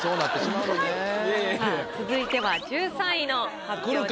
続いては１３位の発表です。